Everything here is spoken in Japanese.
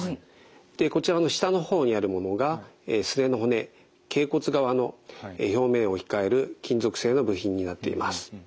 でこちらの下の方にあるものがすねの骨けい骨側の表面を置き換える金属製の部品になっています。